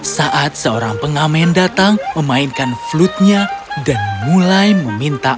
saat seorang pengamen datang memainkan flutnya dan mulai meminta